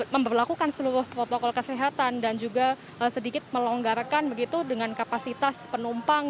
memperlakukan seluruh protokol kesehatan dan juga sedikit melonggarkan begitu dengan kapasitas penumpang